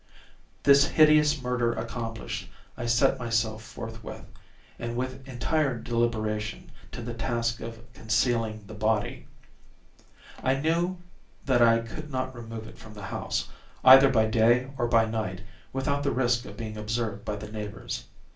This hideous murder accomplished, I set myself forthwith, and with entire deliberation, to the task of concealing the body. I knew that I could not remove it from the house, either by day or by night, without the risk of being observed by the neighbors.